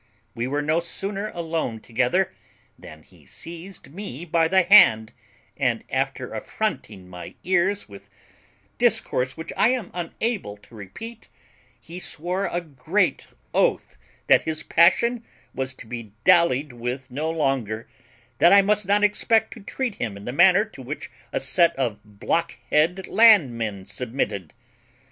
We were no sooner alone together than he seized me by the hand, and, after affronting my ears with discourse which I am unable to repeat, he swore a great oath that his passion was to be dallied with no longer; that I must not expect to treat him in the manner to which a set of blockhead land men submitted.